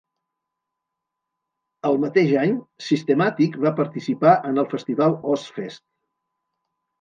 El mateix any, Systematic va participar en el festival Ozzfest.